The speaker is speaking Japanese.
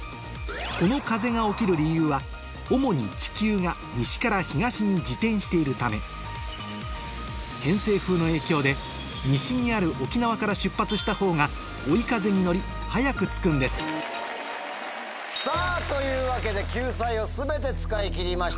この風が起きる理由は主に地球が西から東に自転しているため偏西風の影響で西にある沖縄から出発した方が追い風に乗り早く着くんですさぁというわけで救済を全て使い切りました。